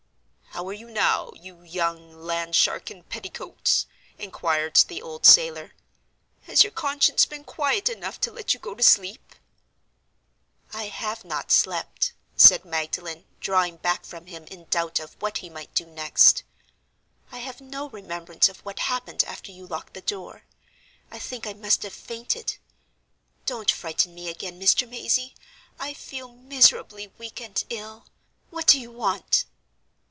"How are you now, you young land shark in petticoats?" inquired the old sailor. "Has your conscience been quiet enough to let you go to sleep?" "I have not slept," said Magdalen, drawing back from him in doubt of what he might do next. "I have no remembrance of what happened after you locked the door—I think I must have fainted. Don't frighten me again, Mr. Mazey! I feel miserably weak and ill. What do you want?"